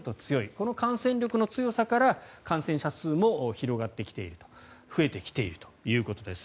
この感染力の強さから感染者数も広がってきていると増えてきているということです。